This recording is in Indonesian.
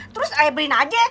terus ayah beliin aja